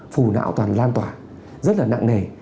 phù não toàn lan tỏa rất là nặng nề